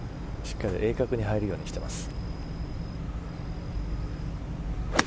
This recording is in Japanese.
鋭角に入るようにしています。